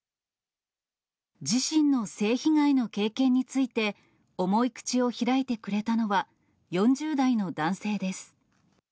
自身の性被害の経験について、重い口を開いてくれたのは、４０代の男性です。